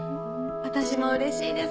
私も嬉しいです。